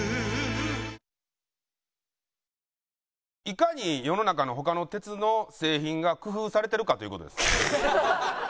いかに世の中の他の鉄の製品が工夫されてるかという事です。